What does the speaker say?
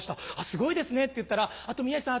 すごいですねって言ったら「あと宮治さん